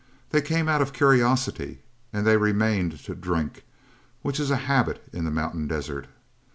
They came out of curiosity and they remained to drink which is a habit in the mountain desert.